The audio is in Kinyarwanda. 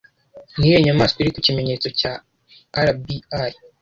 niyihe nyamaswa iri ku kimenyetso cya RBI